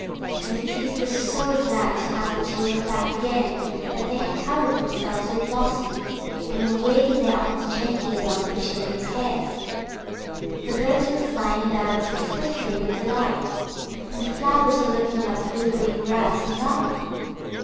And the trees were so glad to have the children back again that they had covered themselves with blossoms, and were waving their arms gently above the children's heads. The birds were flying about and twittering with delight, and the flowers were looking up through the green grass and laughing.